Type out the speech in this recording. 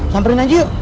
samperin aja yuk